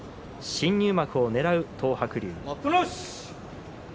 新入幕をねらう東白龍